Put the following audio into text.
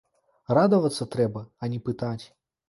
Радавацца трэба, а не пытаць.